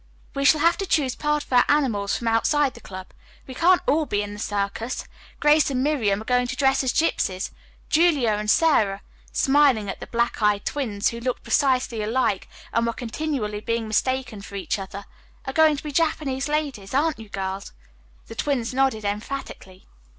"We shall have to choose part of our animals from outside the club. We can't all be in the circus. Grace and Miriam are going to dress as gypsies. Julia and Sara," smiling at the black eyed twins, who looked precisely alike and were continually being mistaken for each other, "are going to be Japanese ladies, aren't you, girls?" The twins nodded emphatically.